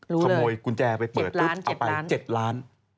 รู้เลย๗ล้านขโมยกุญแจไปเปิดตุ๊กเอาไป๗ล้าน